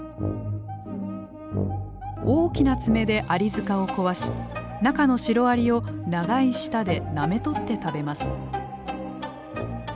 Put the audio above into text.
大きな爪でアリ塚を壊し中のシロアリを長い舌でなめ取って食べます。